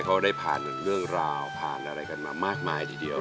เขาได้ผ่านเรื่องราวผ่านอะไรกันมามากมายทีเดียว